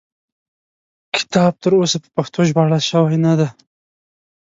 کتاب تر اوسه په پښتو ژباړل شوی نه دی.